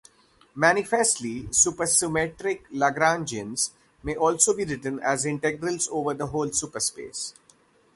Manifestly-supersymmetric Lagrangians may also be written as integrals over the whole superspace.